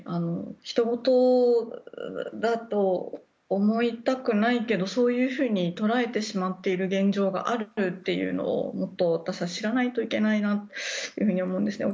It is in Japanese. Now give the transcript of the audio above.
ひとごとだと思いたくないけどそういうふうに取られてしまっている現状があるということをもっと私たちは知らないといけないなというふうに思うんですね。